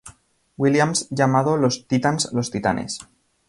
Williams, llamado los "Titans", los Titanes.